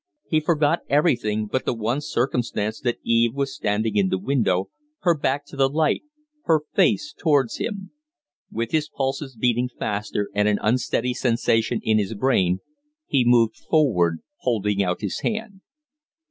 He forgot everything but the one circumstance that Eve was standing in the window her back to the light, her face towards him. With his pulses beating faster and an unsteady sensation in his brain, he moved forward holding out his hand.